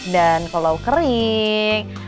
dan kalau kering